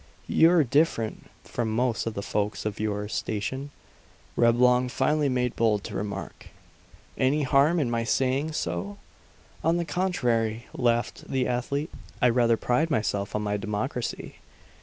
"You're different from most of the folks of your station," Reblong finally made bold to remark. "Any harm in my saying so?" "On the contrary," laughed the athlete. "I rather pride myself on my democracy.